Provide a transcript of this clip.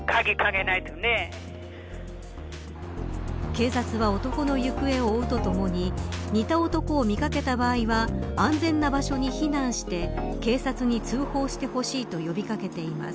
警察は男の行方を追うとともに似た男を見掛けた場合は安全な場所に避難して警察に通報してほしいと呼び掛けています。